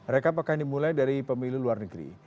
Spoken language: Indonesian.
rekap akan dimulai dari pemilu luar negeri